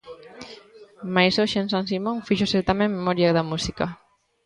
Mais hoxe en San Simón fíxose tamén memoria da música.